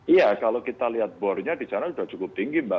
iya kalau kita lihat bornya di sana sudah cukup tinggi mbak